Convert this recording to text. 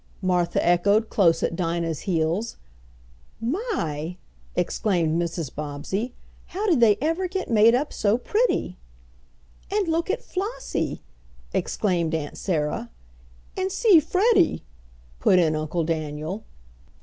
Martha echoed close at Dinah's heels. "My!" exclaimed Mrs. Bobbsey; "how did they ever get made up so pretty!" "And look at Flossie!" exclaimed Aunt Sarah. "And see Freddie!" put in Uncle Daniel.